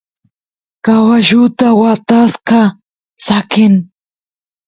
caballuta watasqa saqen